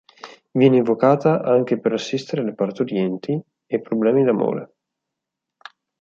Viene invocata anche per assistere le partorienti e problemi d'amore.